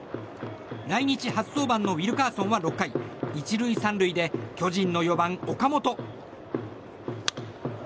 来日初登板のウィルカーソンは６回１塁３塁で巨人の４番、岡本。